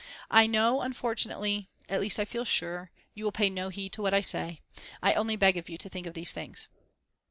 I know, unfortunately at least, I feel sure you will pay no heed to what I say. I only beg of you to think of these things."